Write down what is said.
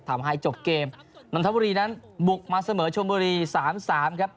ทำให้จบเกมนนทบุรีนั้นบุกมาเสมอชมบุรี๓๓ครับ